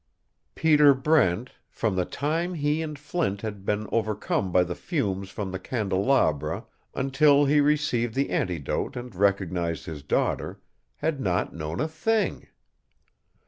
Peter Brent, from the time he and Flint had been overcome by the fumes from the candelabra until he received the antidote and recognized his daughter, had not known a thing!